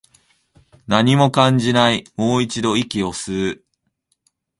何も感じない、もう一度、息を吸う